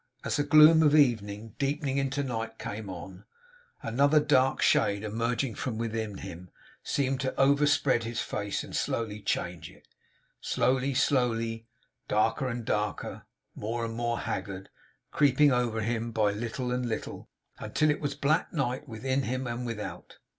As the gloom of evening, deepening into night, came on, another dark shade emerging from within him seemed to overspread his face, and slowly change it. Slowly, slowly; darker and darker; more and more haggard; creeping over him by little and little, until it was black night within him and without.